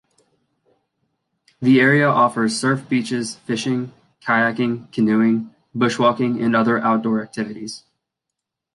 The area offers surf beaches, fishing, kayaking, canoeing, bushwalking and other outdoor activities.